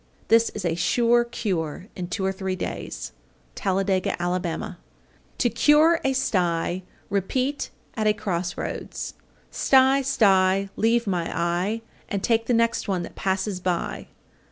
This is a sure cure in two or three days. Talladega, Ala. 830. To cure a sty repeat at a cross roads, Sty, sty, leave my eye, And take the next one that passes by.